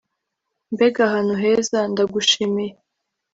mbega ahantu heza! ndagushimiye